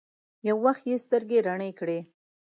يو وخت يې سترګې رڼې کړې.